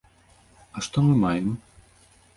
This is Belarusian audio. А што мы маем?